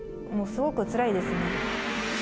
すごくつらいですね。